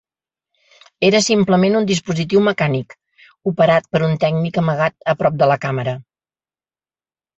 Era simplement un dispositiu mecànic, operat per un tècnic amagat a prop de la càmera.